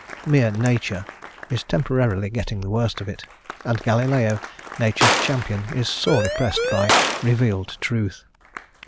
"Mere Nature" is temporarily getting the worst of it, and Galileo, Nature's champion, is sorely pressed by "revealed truth."